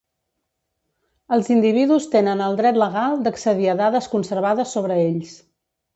Els individus tenen el dret legal d'accedir a dades conservades sobre ells.